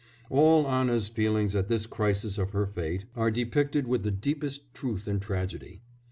All Anna's feelings at this crisis of her fate are depicted with the deepest truth and tragedy.